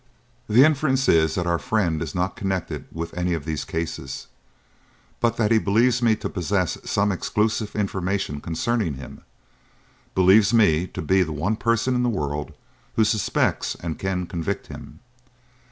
The inference is that our friend is not connected with any of these cases, but that he believes me to possess some exclusive information concerning him believes me to be the one person in the world who suspects and can convict him.